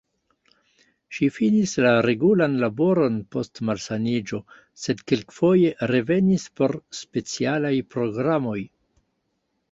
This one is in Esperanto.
Ŝi finis la regulan laboron post malsaniĝo sed kelkfoje revenis por specialaj programoj.